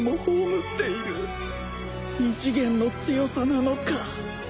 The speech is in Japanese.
異次元の強さなのか